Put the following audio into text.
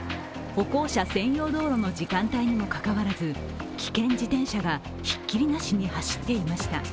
歩行者専用道路の時間帯にもかかわらず危険自転車がひっきりなしに走っていました。